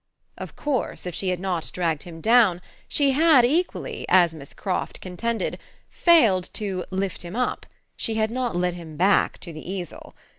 Of course, if she had not dragged him down, she had equally, as Miss Croft contended, failed to "lift him up" she had not led him back to the easel.